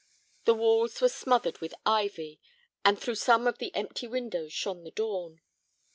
The walls were smothered with ivy, and through some of the empty windows shone the dawn.